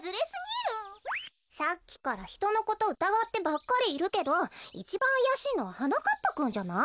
さっきからひとのことうたがってばっかりいるけどいちばんあやしいのははなかっぱくんじゃない？